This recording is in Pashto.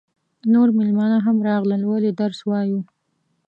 نور مېلمانه هم راغلل ولې درس وایو.